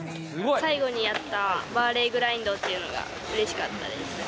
最後にやったバーレーグラインドっていうのがうれしかったです。